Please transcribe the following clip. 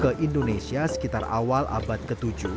ke indonesia sekitar awal abad ke tujuh